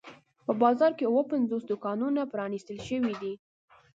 په بازار کې اووه پنځوس دوکانونه پرانیستل شوي دي.